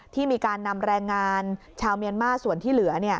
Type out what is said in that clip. ที่มีการนำแรงงานชาวเมียนมาส่วนที่เหลือ